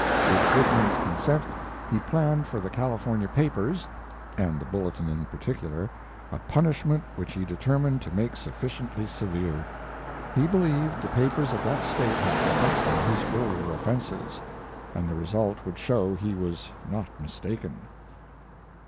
With Goodman's consent he planned for the California papers, and the Bulletin in particular, a punishment which he determined to make sufficiently severe. He believed the papers of that State had forgotten his earlier offenses, and the result would show he was not mistaken.